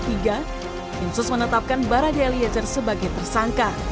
tim sus menetapkan barada eliezer sebagai tersangka